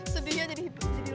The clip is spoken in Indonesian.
sedihnya jadi lo